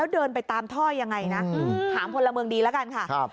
แล้วเดินไปตามท่อยังไงนะอืมถามคนละเมืองดีแล้วกันค่ะครับ